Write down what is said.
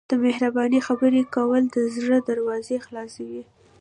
د مهربانۍ خبرې کول د زړه دروازې خلاصوي.